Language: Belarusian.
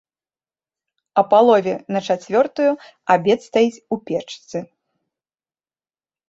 А палове на чацвёртую абед стаіць у печцы.